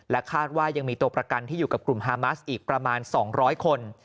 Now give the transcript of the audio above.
คาดว่ายังมีตัวประกันที่อยู่กับกลุ่มฮามัสอีกประมาณ๒๐๐คน